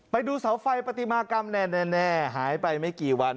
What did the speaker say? ไปดูเสาไฟปฏิมากรรมแน่หายไปไม่กี่วัน